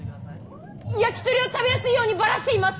焼き鳥を食べやすいようにばらしています。